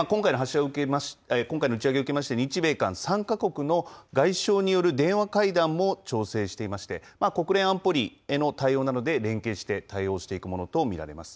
今回の打ち上げを受けまして、日米韓３か国の外相による電話会談も調整していまして、国連安保理への対応などで、連携して対応していくものと見られます。